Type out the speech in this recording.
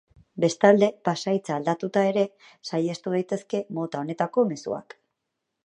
Bestalde, pasahitza aldatuta ere saihestu daitezke mota honetako mezuak.